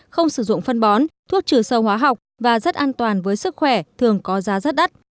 không sử dụng phân bón thuốc trừ sâu hóa học và rất an toàn với sức khỏe thường có giá rất đắt